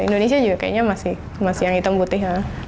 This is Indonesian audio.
indonesia juga kayaknya masih yang hitam putih